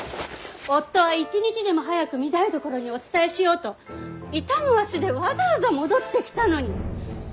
夫は一日でも早く御台所にお伝えしようと痛む足でわざわざ戻ってきたのに。